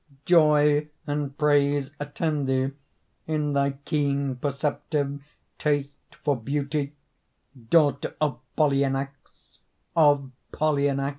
Joy and praise attend thee, In thy keen perceptive Taste for beauty, daughter Of Polyanax!